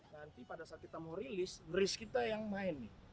nanti pada saat kita mau rilis risk kita yang main nih